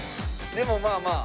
でもまあまあ。